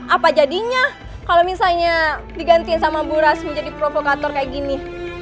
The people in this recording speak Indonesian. apa jadinya kalau misalnya digantiin sama bu ras menjadi provokator kayak gini